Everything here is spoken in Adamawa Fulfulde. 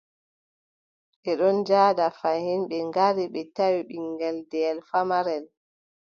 Ɓe ɗon njaada fayin, ɓe ngari, ɓe tawi, ɓiŋngel deyel famarel.